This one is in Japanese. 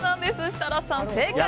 設楽さん、正解！